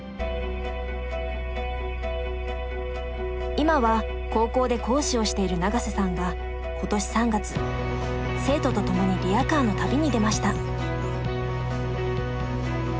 今は高校で講師をしている永瀬さんが今年３月生徒と共にリヤカーの旅に出ました。